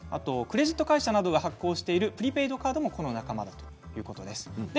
クレジット会社などが発行しているプリペイドカードもこの仲間ということです。